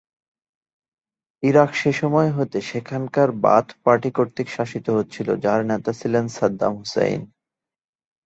Iraq সেসময় হতেই সেখানকার বাথ পার্টি কর্তৃক শাসিত হচ্ছিল যার নেতা ছিলেন সাদ্দাম হুসাইন।